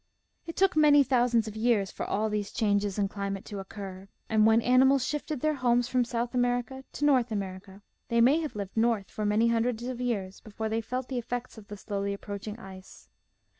It took many thousands of years for all these changes in climate to occur, and when animals shifted their homes from South America to North America, they may have lived north for many hundreds of years before they felt the effects of the slowly approaching ice.